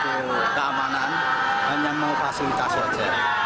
itu bahasa keamanan hanya mau fasilitas saja